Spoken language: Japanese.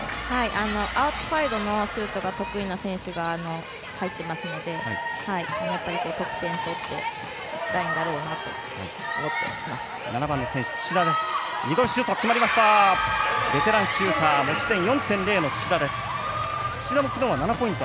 アウトサイドのシュートが得意な選手が入っていますので得点取っていきたいんだろうなと。